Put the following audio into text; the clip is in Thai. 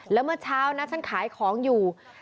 แล้วเมื่อเช้านะฉันขายของอยู่